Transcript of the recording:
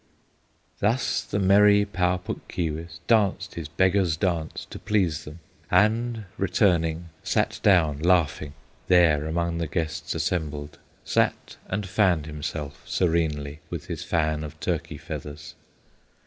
Thus the merry Pau Puk Keewis Danced his Beggar's Dance to please them, And, returning, sat down laughing There among the guests assembled, Sat and fanned himself serenely With his fan of turkey feathers.